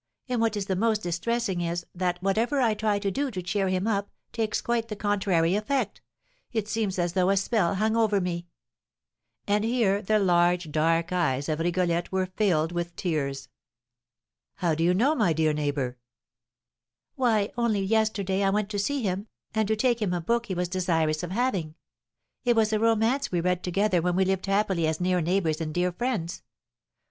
And what is the most distressing is, that, whatever I try to do to cheer him up, takes quite the contrary effect; it seems as though a spell hung over me!" And here the large, dark eyes of Rigolette were filled with tears. "How do you know, my dear neighbour?" "Why, only yesterday I went to see him, and to take him a book he was desirous of having; it was a romance we read together when we lived happily as near neighbours and dear friends.